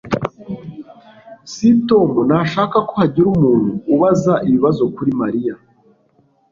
S Tom ntashaka ko hagira umuntu ubaza ibibazo kuri Mariya